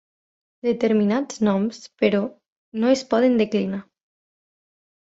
Determinats noms, però, no es poden declinar.